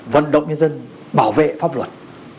vận động nhân dân bảo vệ pháp luật